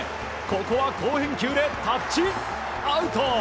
ここは好返球でタッチアウト。